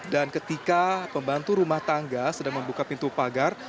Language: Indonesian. dan ketika pembantu rumah tangga sedang membuka pintu pagar